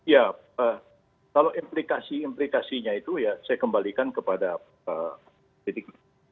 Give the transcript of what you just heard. ya kalau implikasi implikasinya itu ya saya kembalikan kepada titik